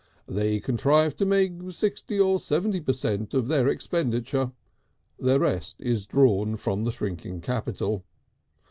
They contrive to make sixty or seventy per cent, of their expenditure, the rest is drawn from the shrinking capital.